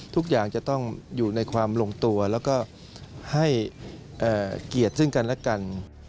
ทุกอย่างจะต้องอยู่ในความลงตัวแล้วก็ให้เกียรติซึ่งกันและกัน